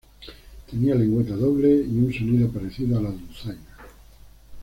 Tenía lengüeta doble y un sonido parecido a la dulzaina.